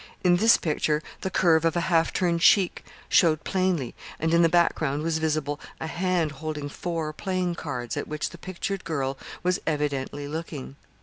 In this picture the curve of a half turned cheek showed plainly, and in the background was visible a hand holding four playing cards, at which the pictured girl was evidently looking.